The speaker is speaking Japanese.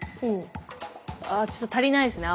ああちょっと足りないですね